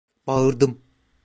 Bağırdım…